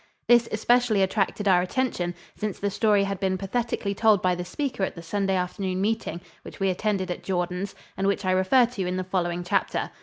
This especially attracted our attention, since the story had been pathetically told by the speaker at the Sunday afternoon meeting which we attended at Jordans and which I refer to in the following chapter.